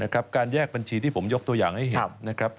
การแยกบัญชีที่ผมยกตัวอย่างให้เห็นนะครับ